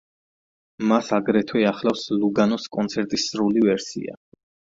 მას აგრეთვე ახლავს ლუგანოს კონცერტის სრული ვერსია.